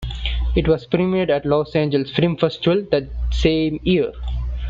It was premiered at the Los Angeles Film Festival that same year.